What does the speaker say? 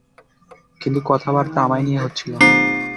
কিন্তু কথাবার্তা আমায় নিয়ে হচ্ছিলো।